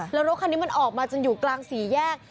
แล้วรถคันนี้มันออกมาจนอยู่กลางสี่แยก